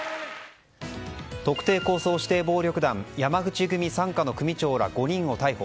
特定抗争指定暴力団山口組系傘下の組長ら５人を逮捕。